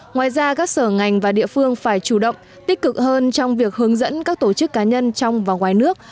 ngoài ra các sở ngành và địa phương phải chủ động tích cực hơn trong việc hướng dẫn các tổ chức cá nhân trong và ngoài nước